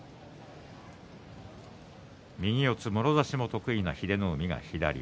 右四つ、もろ差しも得意な英乃海が左。